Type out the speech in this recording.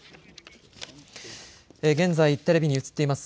現在テレビに映っています